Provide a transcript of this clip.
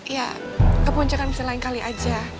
ya ke puncak kan bisa lain kali aja